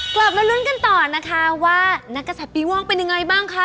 กลับมารุ่นกันต่อนะคะว่านักอาทิตย์ปีว้องเป็นไงบ้างคะ